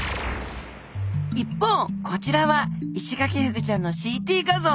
一方こちらはイシガキフグちゃんのＣＴ画像。